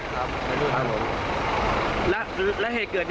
ครับไม่รุ่น